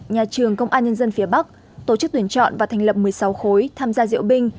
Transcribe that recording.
nhà trường công an nhân dân phía bắc tổ chức tuyển chọn và thành lập một mươi sáu khối tham gia diễu binh